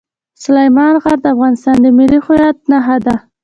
سلیمان غر د افغانستان د ملي هویت نښه ده.